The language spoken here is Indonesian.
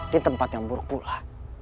di tempat yang buruk pula